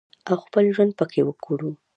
او خپل ژوند پکې وکړو